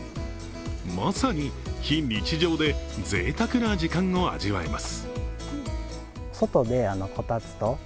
まさに非日常でぜいたくな時間を味わえます。